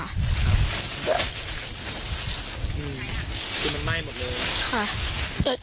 มันไหม้หมดเลยนะครับ